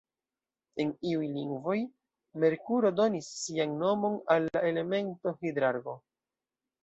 En iuj lingvoj, Merkuro donis sian nomon al la elemento hidrargo.